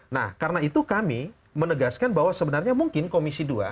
nah karena itu kami menegaskan bahwa sebenarnya mungkin komisi dua